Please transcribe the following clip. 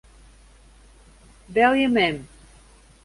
Belje mem.